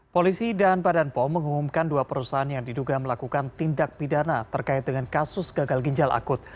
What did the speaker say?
polisi dan badan pom mengumumkan dua perusahaan yang diduga melakukan tindak pidana terkait dengan kasus gagal ginjal akut